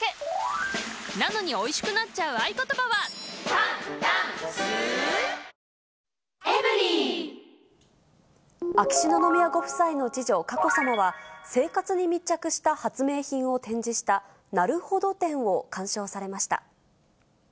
今なら補助金でお得秋篠宮ご夫妻の次女、佳子さまは、生活に密着した発明品を展示した、なるほど展を鑑賞されました。